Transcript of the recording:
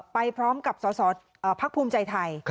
ไปพร้อมกับสสภพพูมใจไทย